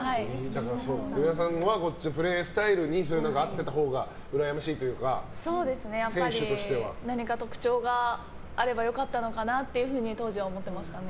栗原さんはプレースタイルに合ってたほうがうらやましい何か特徴があれば良かったのかなと当時は思ってましたね。